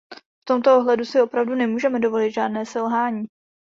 V tomto ohledu si opravdu nemůžeme dovolit žádné selhání.